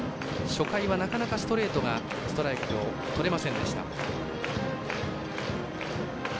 初回はなかなかストレートがストライクをとれませんでした。